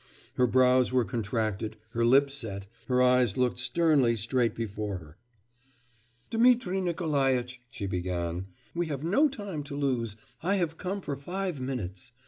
Her brows were contracted, her lips set, her eyes looked sternly straight before her. 'Dmitri Nikolaitch,' she began, 'we have no time to lose. I have come for five minutes.